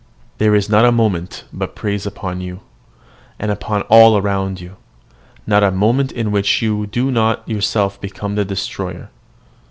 There is not a moment but preys upon you, and upon all around you, not a moment in which you do not yourself become a destroyer.